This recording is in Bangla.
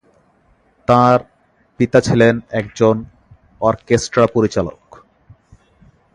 তাঁর পিতা ছিলেন একজন অর্কেস্ট্রা পরিচালক।